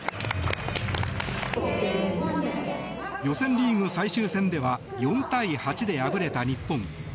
予選リーグ最終戦では４対８で敗れた日本。